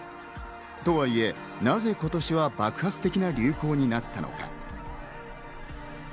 とはいえ、なぜ今年は爆発的な流行になったのか？